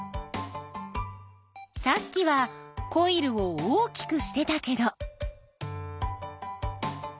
さっきはコイルを大きくしてたけど。